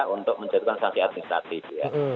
untuk menjatuhkan sanksi administratif ya